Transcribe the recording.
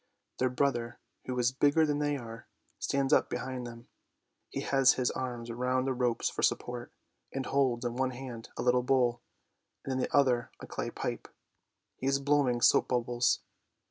Their brother, who is bigger than they are, stands up behind them; he has his arms round the ropes for supports, and holds in one hand a little bowl and in the other a clay pipe. He is blowing soap bubbles.